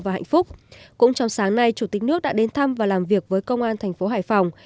hôm nay chủ tịch nước đã đến thăm và làm việc với công an thành phố hải phòng